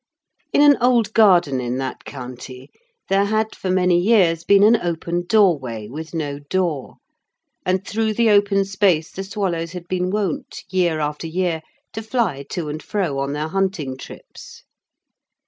In an old garden in that county there had for many years been an open doorway with no door, and through the open space the swallows had been wont, year after year, to fly to and fro on their hunting trips.